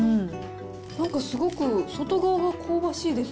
なんかすごく外側が香ばしいです。